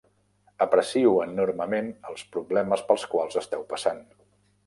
Aprecio enormement els problemes pels quals esteu passant.